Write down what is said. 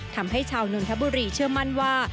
ทำให้ชาวนนทบุรีเชื่อมั่นว่า